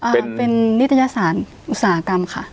เป็นนิตยสารอุตสาหกรรมค่ะ